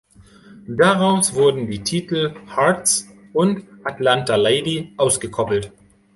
Daraus wurden die Titel "Hearts" und "Atlanta Lady" ausgekoppelt.